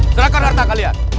serahkan harta kalian